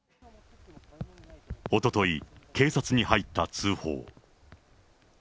おととい、警察に入った通報。